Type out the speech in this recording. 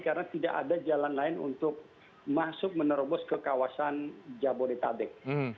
karena tidak ada jalan lain untuk masuk menerobos ke kawasan jabodetabek